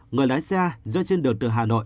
người lái xe do trên đường từ hà nội